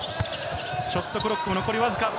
ショットクロック、残りわずか。